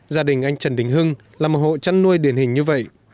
gia đình anh trần đình hưng là một hộ chăn nuôi điển hình như vậy